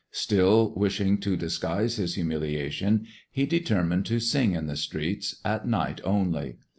Still, wishing to disguise his humiliation, he determined to sing in the streets, at night only.